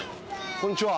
こんにちは。